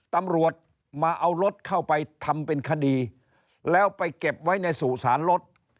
ตำรวจมาเอารถเข้าไปทำเป็นคดีแล้วไปเก็บไว้ในสู่สารรถ